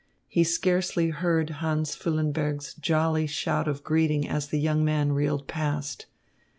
He scarcely heard Hans Füllenberg's jolly shout of greeting as the young man reeled past.